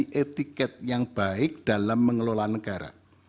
semua stakeholder harus mempunyai etiket yang baik dalam mengelola negara